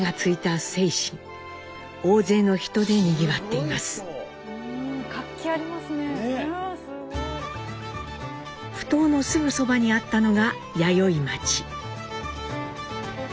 埠頭のすぐそばにあったのが弥生町。